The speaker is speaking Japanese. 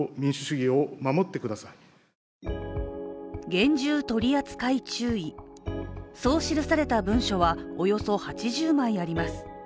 厳重取扱注意、そう記された文書はおよそ８０枚あります。